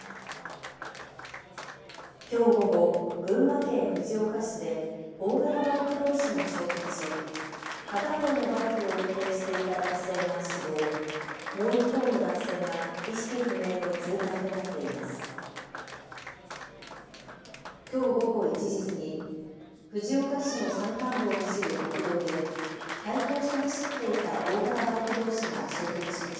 きょう午後、群馬県藤岡市で大型バイクどうしが衝突し片方のバイクを運転していた男性が死亡、もう一方の男性が意識不明の重体となっています。